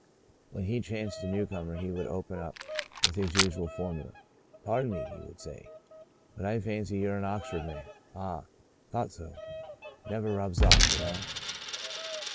When he chanced on a newcomer he would open up with his usual formula. " Pardon me,'* he would say, " but I fancy you're an Oxford man. ... Ah I — thought so. Never rubs off, y' know.